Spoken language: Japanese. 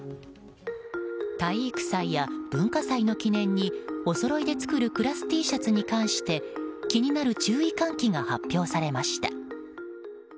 体育祭や文化祭の記念におそろいで作るクラスＴシャツに関して気になる注意喚起が発表されました。